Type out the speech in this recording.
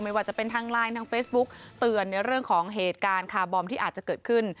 ว่าจะเป็นทางไลน์ทางเฟซบุ๊กเตือนในเรื่องของเหตุการณ์คาร์บอมที่อาจจะเกิดขึ้น